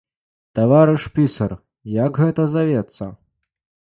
Таварыш пісар, як гэта завецца?